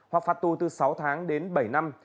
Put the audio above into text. hoặc phạt tu từ sáu tháng đến bảy năm